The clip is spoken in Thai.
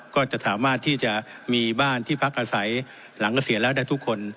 ก็จะสามารถที่จะมีบ้านที่พักอาศัยหลังเกษียณแล้วได้ทุกคน